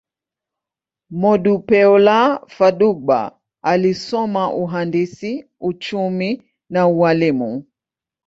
Modupeola Fadugba alisoma uhandisi, uchumi, na ualimu.